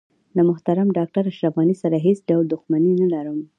له محترم ډاکټر اشرف غني سره هیڅ ډول دښمني نه لرم.